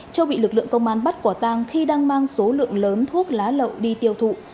châu bị lực lượng công an bắt quả tang khi đang mang số lượng lớn thuốc lá lậu đi tiêu thụ